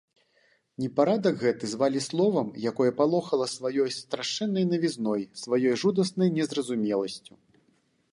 Непарадак гэты звалі словам, якое палохала сваёй страшэннай навізной, сваёй жудаснай незразумеласцю.